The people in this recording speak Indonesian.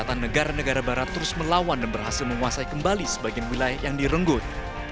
kekuatan negara negara barat terus melawan dan berhasil menguasai kembali sebagian wilayah yang direnggut